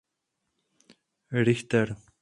Richter.